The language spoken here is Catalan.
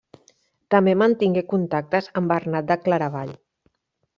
També mantingué contactes amb Bernat de Claravall.